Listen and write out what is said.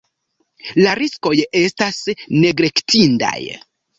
La riskoj estas neglektindaj.